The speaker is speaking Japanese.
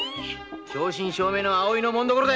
正真正銘の葵の紋所だい！